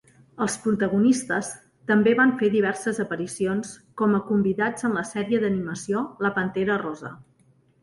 Els protagonistes també van fer diverses aparicions com a convidats en la sèrie d'animació "La Pantera Rosa".